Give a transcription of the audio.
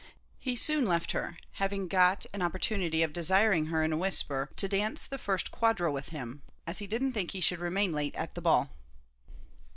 He soon left her, having got an opportunity of desiring her in a whisper to dance the first quadrille with him, as he didn't think he should remain late at the ball.